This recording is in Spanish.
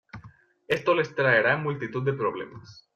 Esto les traerá multitud de problemas.